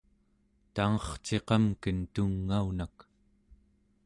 tangerciqamken tungaunak